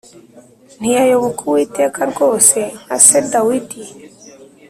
ntiyayoboka Uwiteka rwose nka se Dawidi